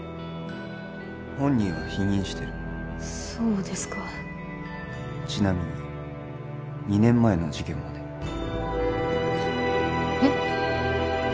本人は否認してるそうですかちなみに２年前の事件もねえっ？